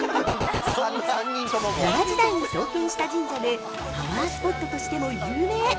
奈良時代に創建した神社でパワースポットとしても有名。